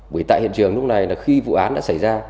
bởi tại hiện trường lúc này là khi vụ án đã xảy ra